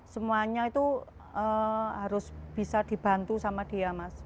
semuanya itu harus bisa dibantu sama dia mas